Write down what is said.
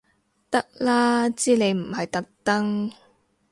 得啦知你唔係特登